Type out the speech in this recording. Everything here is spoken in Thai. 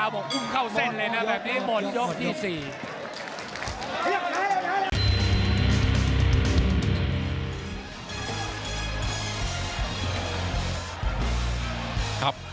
โหโหโหโหโหโหโหโห